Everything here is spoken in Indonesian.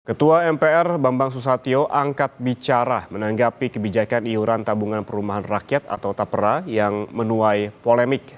ketua mpr bambang susatyo angkat bicara menanggapi kebijakan iuran tabungan perumahan rakyat atau tapera yang menuai polemik